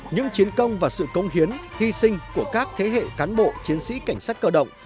những chiến công và sự công hiến hy sinh của các thế hệ cán bộ chiến sĩ cảnh sát cơ động